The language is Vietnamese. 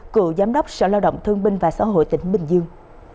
cựu giám đốc sở lao động thương binh và xã hội tỉnh bình dương